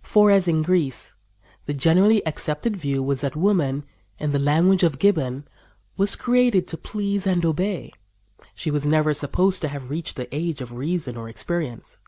For, as in Greece, the generally accepted view was that woman, in the language of Gibbon, "was created to please and obey. She was never supposed to have reached the age of reason or experience."